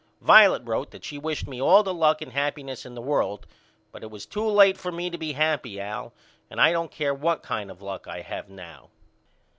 Violet wrote that she wished me all the luck and happyness in the world but it is too late for me to be happy Al and I don't care what kind of luck I have now.